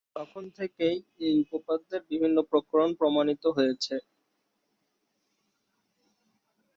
তখন থেকেই এই উপপাদ্যের বিভিন্ন প্রকরণ প্রমাণিত হয়েছে।